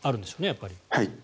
やっぱり。